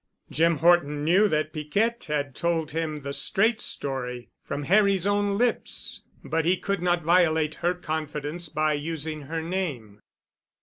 Jim Horton knew that Piquette had told him the straight story, from Harry's own lips, but he could not violate her confidence by using her name.